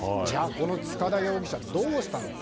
この塚田容疑者どうしたのか。